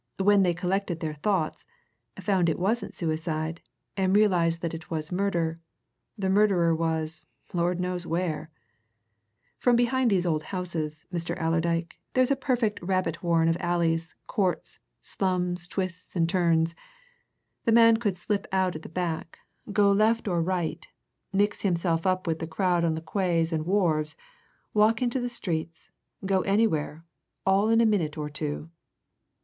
When they collected their thoughts, found it wasn't suicide, and realized that it was murder, the murderer was Lord knows where! From behind these old houses, Mr. Allerdyke, there's a perfect rabbit warren of alleys, courts, slums, twists, and turns! The man could slip out at the back, go left or right, mix himself up with the crowd on the quays and wharves, walk into the streets, go anywhere all in a minute or two."